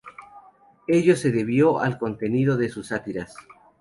Ello se debió al contenido de sus sátiras.